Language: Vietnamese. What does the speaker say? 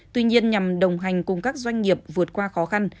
tuy nhiên nhằm đồng hành cùng các doanh nghiệp vượt qua khó khăn